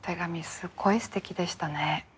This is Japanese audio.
すっごいすてきでしたね。